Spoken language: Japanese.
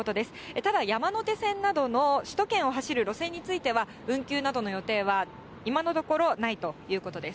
ただ、山手線などの首都圏を走る路線については運休などの予定は、今のところないということです。